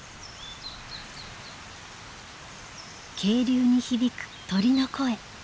渓流に響く鳥の声。